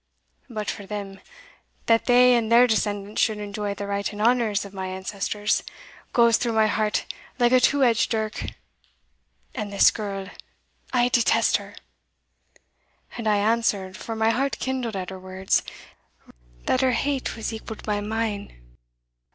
But for them that they and their descendants should enjoy the right and honours of my ancestors, goes through my heart like a two edged dirk. And this girl I detest her!' And I answered, for my heart kindled at her words, that her hate was equalled by mine."